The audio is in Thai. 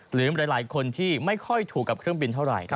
หรือหลายคนที่ไม่ค่อยถูกกับเครื่องบินเท่าไหร่